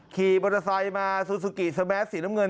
ขี่มอเตอร์ไซค์มาซูซูกิสแมสสีน้ำเงิน